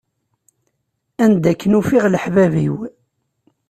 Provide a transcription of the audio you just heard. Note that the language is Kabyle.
Anda akken ufiɣ leḥbab-iw.